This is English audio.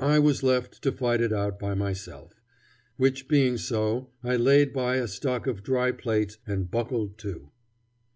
I was left to fight it out by myself. Which being so, I laid in a stock of dry plates and buckled to.